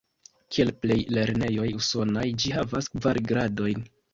Kiel plej lernejoj Usonaj, ĝi havas kvar gradojn.